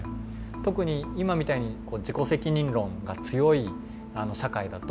特に今みたいに自己責任論が強い社会だと。